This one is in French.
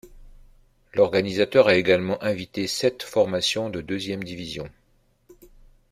L'organisateur a également invité sept formations de deuxième division.